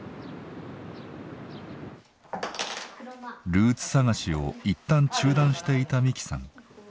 ルーツ探しを一旦中断していた美希さん。